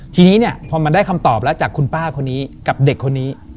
ทีนี้เนี่ยพอมันได้คำตอบแล้วจากคุณป้าคนนี้กับเด็กคนนี้